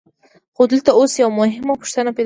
خو دلته اوس یوه مهمه پوښتنه پیدا کېږي